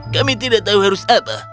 kami tidak tahu harus apa